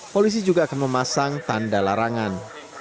polisi juga akan memasang tanda larangan